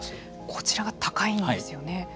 こちらが高いんですよね。